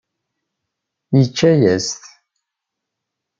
Yečča-as-t.